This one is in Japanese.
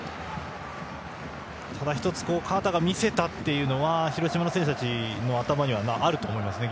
ただ、河田が１つ見せたというのは広島の選手の頭にはあると思いますね。